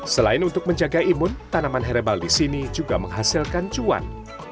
selain untuk menjaga imun tanaman herbal di sini juga menghasilkan cuan